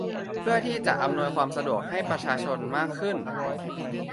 เพื่อที่จะอำนวยความสะดวกให้ประชาชนมากขึ้น